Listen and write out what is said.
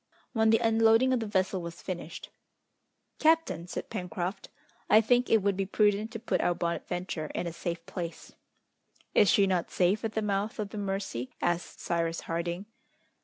When the unloading of the vessel was finished, "Captain," said Pencroft, "I think it would be prudent to put our Bonadventure in a safe place." "Is she not safe at the mouth of the Mercy?" asked Cyrus Harding.